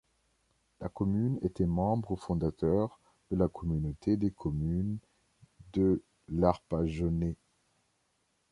La commune était membre fondateur de la communauté de communes de l'Arpajonnais.